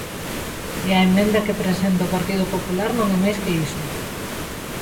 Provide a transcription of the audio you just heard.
E a emenda que presenta o Partido Popular non é máis que iso.